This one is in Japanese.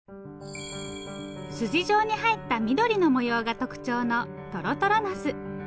筋状に入った緑の模様が特徴のとろとろナス。